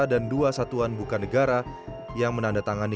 dan dua satuan bukan negara yang menandatangani